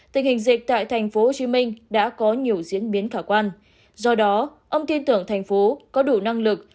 tình hình dịch tại tp hcm đã có nhiều diễn biến khả quan do đó ông tin tưởng thành phố có đủ năng lực